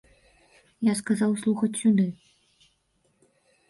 Я сказаў слухаць сюды.